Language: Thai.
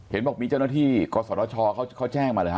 เห็นบอกมีเจ้าหน้าที่กศชเขาแจ้งมาเลยฮ